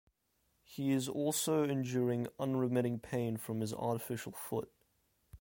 He is also enduring unremitting pain from his artificial foot.